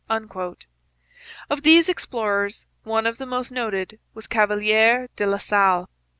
Of these explorers one of the most noted was Cavelier de la Salle.